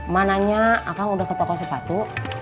mananya akang udah ke toko sepatu